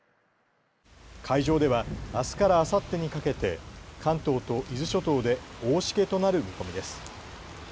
海上では、あすからあさってにかけて関東と伊豆諸島で大しけとなる見込みです。